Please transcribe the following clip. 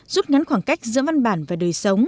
rút ngắn khoảng cách giữa văn bản và đời sống